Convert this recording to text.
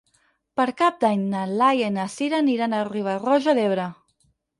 Per Cap d'Any na Laia i na Sira aniran a Riba-roja d'Ebre.